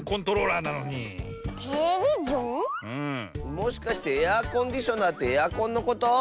もしかしてエアコンディショナーってエアコンのこと？